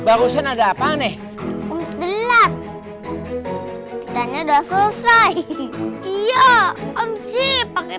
aku capek jadi pengen